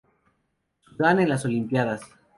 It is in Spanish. Sudán en las Olimpíadas